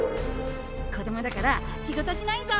子供だから仕事しないぞ！